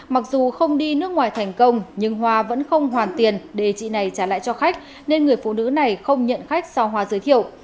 mặc dù không đi nước ngoài thành công nhưng hòa vẫn không hoàn tiền để chị này trả lại cho khách nên người phụ nữ này không nhận khách sau hoa giới thiệu